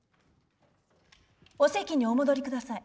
お席にお戻り下さい。